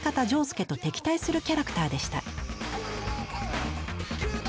仗助と敵対するキャラクターでした。